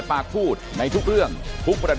อ้าวขอบคุณครับ